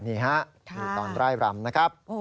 นี่ตอนรายรำนะครับ